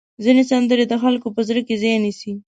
ځینې سندرې د خلکو په زړه کې ځای نیسي.